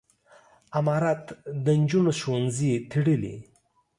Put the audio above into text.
امارت د نجونو ښوونځي تړلي.